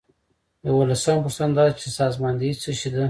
یوولسمه پوښتنه دا ده چې سازماندهي څه شی ده.